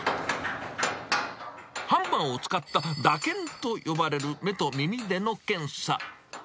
ハンマーを使った打検と呼ばれる目と耳での検査。